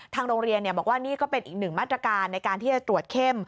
โรงเรียนบอกว่านี่ก็เป็นอีกหนึ่งมาตรการในการที่จะตรวจเข้ม